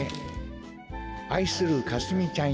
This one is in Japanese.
あいするかすみちゃんへ。